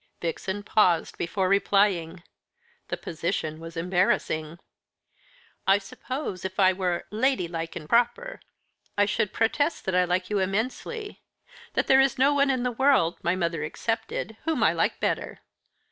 Vixen paused before replying. The position was embarrassing. "I suppose if I were ladylike and proper, I should protest that I like you immensely; that there is no one in the world, my mother excepted, whom I like better.